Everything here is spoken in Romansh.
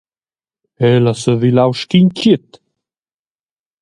El ha sevilau sc’in tgiet.